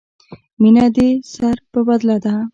مینه دې سر په بدله ده.